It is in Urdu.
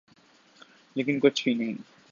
لیکن کچھ بھی نہیں۔